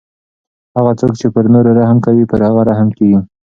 هغه څوک چې پر نورو رحم کوي پر هغه رحم کیږي.